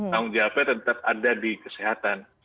tanggung jawabnya tetap ada di kesehatan